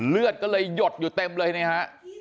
เลือดก็เลยหยดอยู่เต็มเลยนี่ฮะ